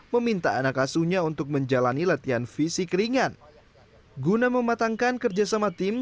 meminta anak asuhnya untuk menjalani latihan fisik ringan guna mematangkan kerjasama tim